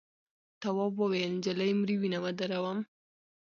تواب وویل نجلۍ مري وینه ودروم.